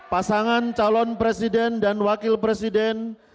pasangan calon presiden dan wakil presiden